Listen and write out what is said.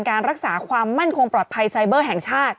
การรักษาความมั่นคงปลอดภัยไซเบอร์แห่งชาติ